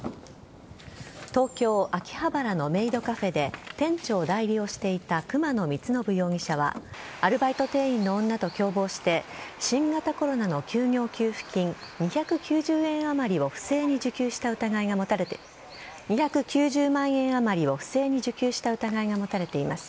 東京・秋葉原のメイドカフェで店長代理をしていた熊野光伸容疑者はアルバイト店員の女と共謀して新型コロナの休業給付金２９０万円あまりを不正に受給した疑いが持たれています。